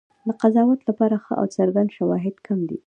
د قضاوت لپاره ښه او څرګند شواهد کم دي.